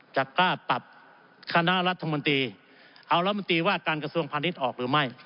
จะกล้าปรับคณะรัฐมนตรีเอารัฐมนตรีว่าการกระทรวงพาณิชย์ออกหรือไม่